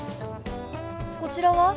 こちらは？